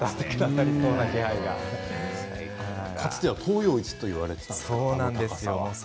かつては東洋一といわれていたんですね。